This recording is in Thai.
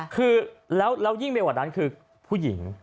คือแล้วยิ่งไปกว่านั้นคือผู้หญิง